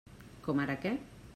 Com ara què?